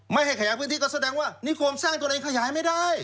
ไม่ให้ขยายพื้นที่ก็แสดงว่านิคมสร้างตัวเองขยายไม่ได้